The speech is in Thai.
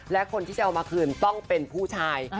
และคนที่จะเอามาคืนต้องเป็นผู้ชาย